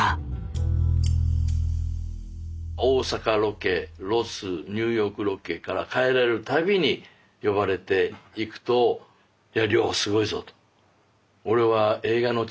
大阪ロケロスニューヨークロケから帰られる度に呼ばれて行くといや凌すごいぞと。